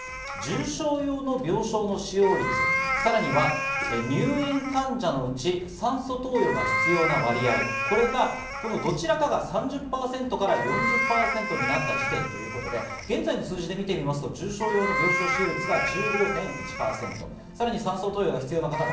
重症用病床の使用率、さらには入院患者のうち、酸素投与が必要な割合、これがこのどちらかが３０％から４０％になった時点ということで、現在の数字で見てみますと重症用病床使用率が。